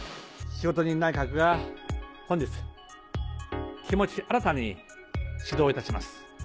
仕事人内閣が本日、気持ち新たに始動いたします。